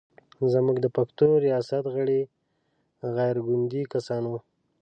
زموږ د پښتو ریاست غړي غیر ګوندي کسان و.